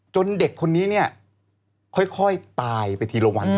เด็กคนนี้เนี่ยค่อยตายไปทีละวัน